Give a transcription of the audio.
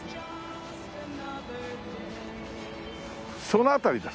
その辺りだ。